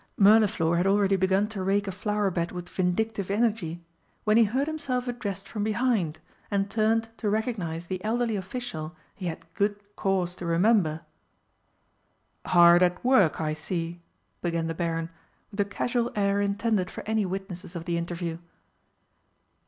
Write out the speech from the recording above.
Mirliflor had already begun to rake a flower bed with vindictive energy, when he heard himself addressed from behind, and turned to recognise the elderly official he had good cause to remember. "Hard at work, I see," began the Baron, with a casual air intended for any witnesses of the interview.